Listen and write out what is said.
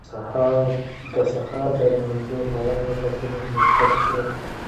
د سهار د لمانځه اول رکعتونه مؤکد سنت دي.